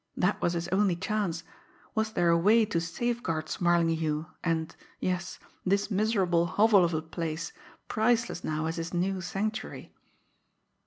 That was his only chance. Was there a way to safeguard Smarlinghue and, yes, this miserable hovel of a place, priceless now as his new Sanctuary.